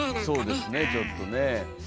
そうですねちょっとね。